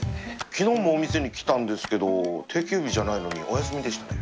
昨日もお店に来たんですけど定休日じゃないのにお休みでしたね。